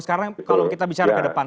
sekarang kalau kita bicara ke depan